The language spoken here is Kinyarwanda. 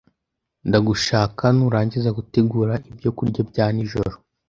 ndagushaka nurangiza gutegura ibyo kurya bya nijoro